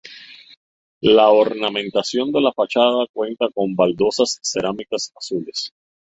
La ornamentación de la fachada cuenta con baldosas cerámicas azules.